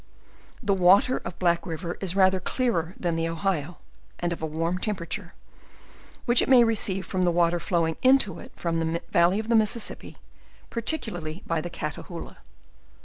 The water of Black river is rather clearer than the Ohio, and of a warm temperature, which it may receive from the water flowing into it from the valley of the Mississippi, particularly by the Catahoola.